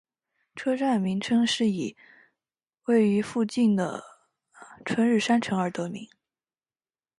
车站名称是以位处附近的春日山城而得名。